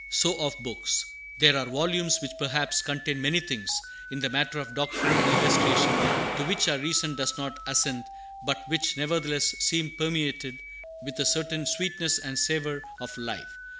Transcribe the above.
So of books. There are volumes which perhaps contain many things, in the matter of doctrine and illustration, to which our reason does not assent, but which nevertheless seem permeated with a certain sweetness and savor of life.